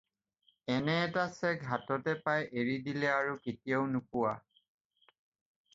এনে এটা ছেগ হাততে পাই এৰি দিলে আৰু কেতিয়াও নোপোৱা।